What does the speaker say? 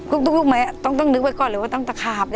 รูปตูปมัอยต้องนึกไว้ก่อนเลยว่าตัวตะขาบ